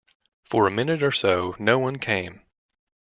For a minute or so no one came.